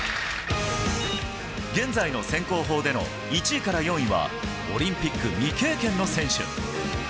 現在の選考法での１位から４位は、オリンピック未経験の選手。